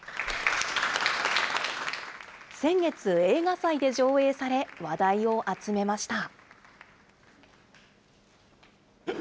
先月、映画祭で上映され、話題を集めました。